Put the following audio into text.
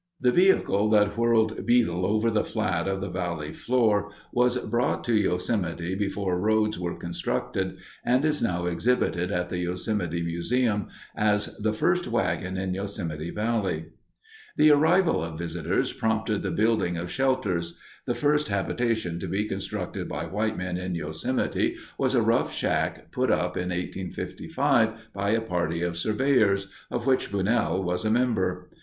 The vehicle that whirled Beadle over the flat of the valley floor was brought to Yosemite before roads were constructed and is now exhibited at the Yosemite Museum as "the first wagon in Yosemite Valley." The arrival of visitors prompted the building of shelters. The first habitation to be constructed by white men in Yosemite was a rough shack put up in 1855 by a party of surveyors, of which Bunnell was a member.